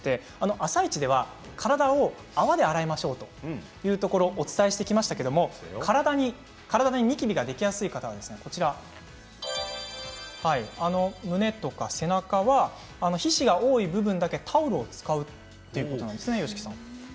「あさイチ」では体を泡で洗いましょうとお伝えしてきましたが体にニキビができやすい人は胸とか背中は皮脂が多い部分だけタオルを使うんですね。